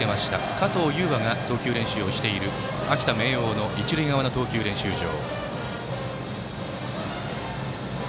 加藤悠羽が投球練習をしている秋田・明桜の一塁側の投球練習場。